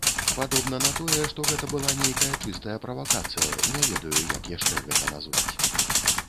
Падобна на тое, гэта была нейкая чыстая правакацыя, не ведаю, як яшчэ гэта назваць.